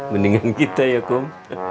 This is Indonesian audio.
mendingan kita ya kum